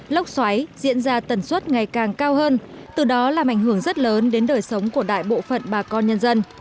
lốc xoáy diễn ra tần suất ngày càng cao hơn từ đó làm ảnh hưởng rất lớn đến đời sống của đại bộ phận bà con nhân dân